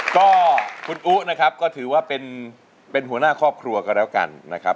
ก็คุณอุ๊นะครับก็ถือว่าเป็นหัวหน้าครอบครัวก็แล้วกันนะครับ